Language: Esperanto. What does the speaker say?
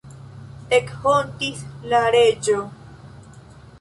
Ekhontis la reĝo.